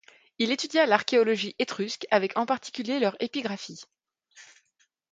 Il étudia l'archéologie étrusque avec en particulier leur épigraphie.